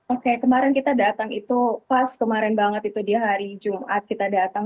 oke kemarin kita datang itu pas kemarin banget itu dia hari jumat kita datang